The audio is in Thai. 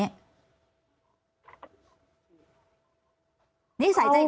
ทำไมในข่าวเหมือนกับพุ่งไปที่เขาสักคนเดียวเลยคะตอนนี้